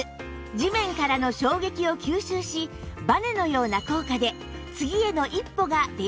地面からの衝撃を吸収しバネのような効果で次への一歩が出やすいんです